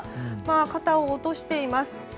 肩を落としています。